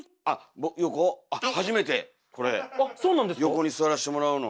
横に座らせてもらうの。